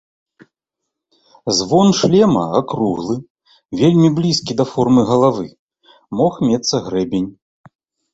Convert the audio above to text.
Звон шлема акруглы, вельмі блізкі да формы галавы, мог мецца грэбень.